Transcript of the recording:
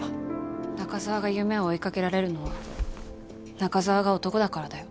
中澤が夢を追いかけられるのは中澤が男だからだよ。